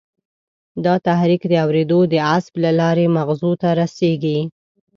دا تحریک د اورېدو د عصب له لارې مغزو ته رسېږي.